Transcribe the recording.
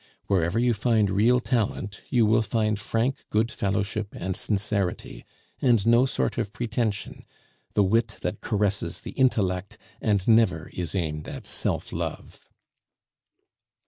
Wherever you find real talent, you will find frank good fellowship and sincerity, and no sort of pretension, the wit that caresses the intellect and never is aimed at self love.